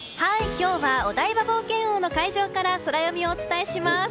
今日はお台場冒険王の海上からソラよみをお伝えします。